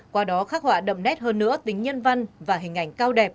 qua đó khắc họa đậm nét hơn nữa tính nhân văn và hình ảnh cao đẹp